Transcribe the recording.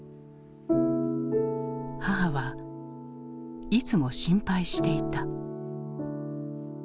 母はいつも心配していた。